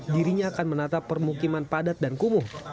dirinya akan menata permukiman padat dan kumuh